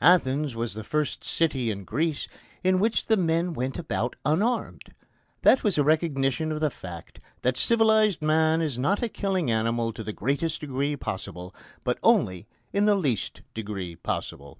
Athens was the first city in Greece in which the men went about unarmed. That was a recognition of the fact that civilised man is not a killing animal to the greatest degree possible, but only in the least degree possible.